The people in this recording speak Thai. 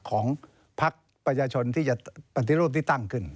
ของพักประชาชนที่จะปฏิรูปที่ตั้งขึ้น